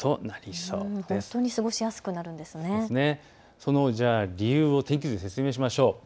その理由を天気図で説明しましょう。